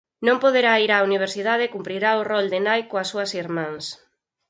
Non poderá ir á universidade e cumprirá o rol de nai coas súas irmás.